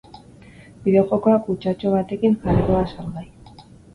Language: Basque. Bideojokoa kutxatxo batekin jarriko da salgai.